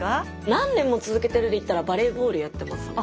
何年も続けてるでいったらバレーボールやってますね。